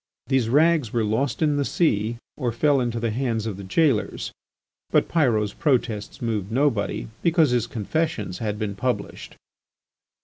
These rags were lost in the sea or fell into the hands of the gaolers. But Pyrot's protests moved nobody because his confessions had been published.